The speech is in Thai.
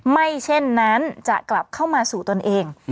ไม่เช่นนั้นจะกลับเข้ามาสู่ตนเอง